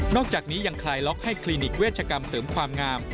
อกจากนี้ยังคลายล็อกให้คลินิกเวชกรรมเสริมความงาม